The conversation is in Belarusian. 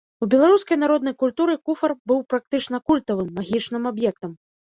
У беларускай народнай культуры куфар быў практычна культавым, магічным аб'ектам.